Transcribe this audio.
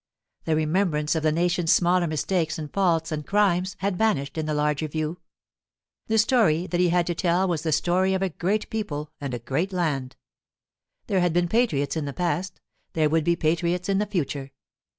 The remembrance of the nation's smaller mistakes and faults and crimes had vanished in the larger view. The story that he had to tell was the story of a great people and a great land. There had been patriots in the past; there would be patriots in the future.